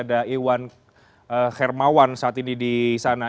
ada iwan hermawan saat ini disana